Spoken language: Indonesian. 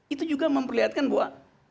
itu juga memperlihatkan bahwa